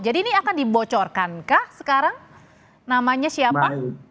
jadi ini akan dibocorkankah sekarang namanya siapa